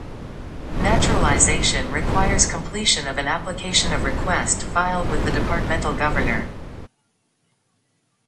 Naturalization requires completion of an application of request filed with the departmental governor.